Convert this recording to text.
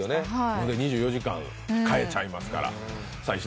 ほんで２４時間、買えちゃいますから。